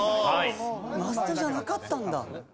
マストじゃなかったんだ。